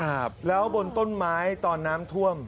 ครับแล้วบนต้นไม้ตอนน้ำท่วม